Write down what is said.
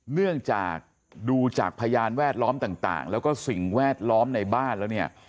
เนื่องจากดูจากพยานแวดล้อมต่างแล้วก็สิ่งแวดล้อมในบ้านแล้วเนี่ย